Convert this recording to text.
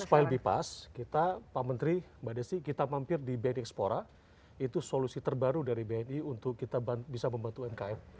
supaya lebih pas kita pak menteri mbak desi kita mampir di bni ekspora itu solusi terbaru dari bni untuk kita bisa membantu umkm